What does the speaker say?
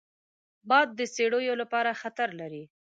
باد د څړیو لپاره خطر لري